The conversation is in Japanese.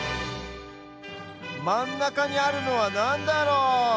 まんなかにあるのはなんだろ？